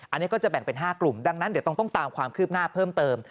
อันนี้ก็จะแบ่งเป็น๕กลุ่มดังนั้นเดี๋ยวต้องตามความคืบหน้าเพิ่มเติม